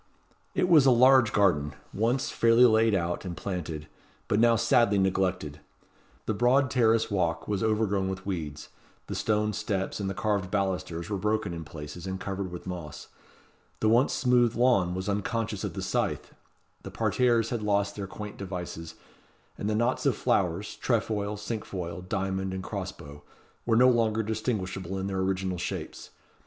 It was a large garden, once fairly laid out and planted, but now sadly neglected. The broad terrace walk was overgrown with weeds; the stone steps and the carved balusters were broken in places, and covered with moss; the once smooth lawn was unconscious of the scythe; the parterres had lost their quaint devices; and the knots of flowers tre foil, cinque foil, diamond, and cross bow were no longer distinguishable in their original shapes.